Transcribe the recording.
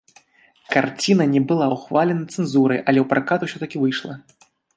Карціна не была ўхвалена цэнзурай, але ў пракат усё-такі выйшла.